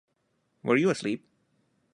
Were you asleep?